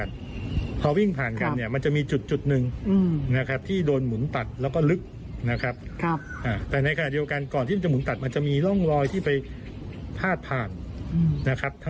ซึ่งพรุ่งนี้มันก็อาจจะมีลักษณะที่เป็นลอยกลับ